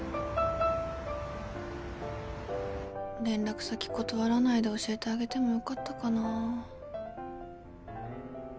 連絡先断らないで教えてあげてもよかったかな。